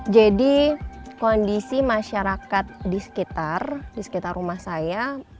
jadi kondisi masyarakat di sekitar rumah saya